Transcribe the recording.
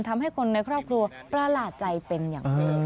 ทำให้คนในครอบครัวประหลาดใจเป็นอย่างมาก